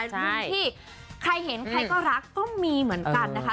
มุมที่ใครเห็นใครก็รักก็มีเหมือนกันนะคะ